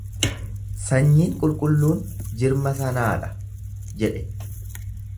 Sanyiin qulqulluun jirma sanaa dha jedhe.